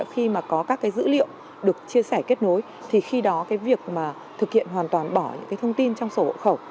khi mà có các dữ liệu được chia sẻ kết nối thì khi đó việc thực hiện hoàn toàn bỏ những thông tin trong sổ hộ khẩu